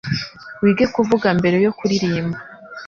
Wige kuvuga mbere yo kuririmba